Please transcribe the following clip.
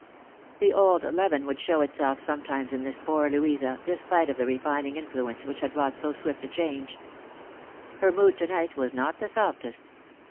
The old leaven would show itself sometimes in this poor Louisa, despite of the refining influence which had wrought so swift a change. Her mood to night was not the softest.